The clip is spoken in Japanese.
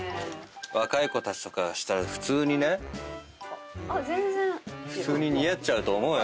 若い子たちがしたら普通にね普通に似合っちゃうと思うよ。